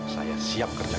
saya siap kerjakan